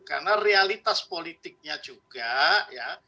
karena realitas politiknya juga ya